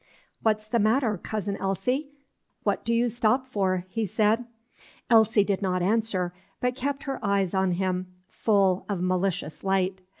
"What is the matter, Cousin Elsie? What do you stop for?" he said. Elsie did not answer, but kept her eyes on him, full of malicious light.